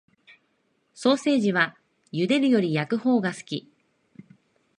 ソーセージは茹でるより焼くほうが好き